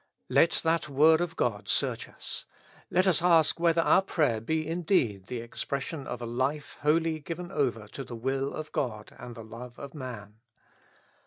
Let that word of God search us. Let us ask whether our prayer be indeed the expression of a life wholly given over to the will of God and the love of man.